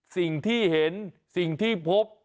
สิ่งที่เห็นสิ่งที่พบ